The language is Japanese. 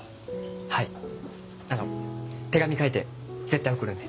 はいあの手紙書いて絶対送るんで。